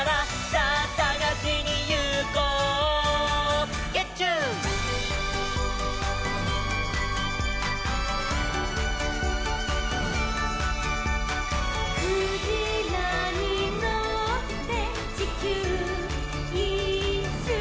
「さぁさがしにいこう」「ゲッチュー」「クジラにのってちきゅういっしゅう」